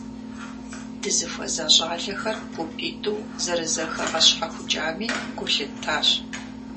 Дызыхуэза щIалэхэр гупитIу зэрызэхэгъэщхьэхукIами гу лъыттащ.